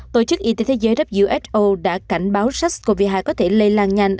tổ chức y tế thế giới who đã cảnh báo sars cov hai có thể lây lan nhanh